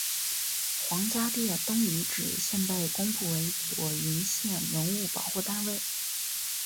黄家店东遗址现被公布为左云县文物保护单位。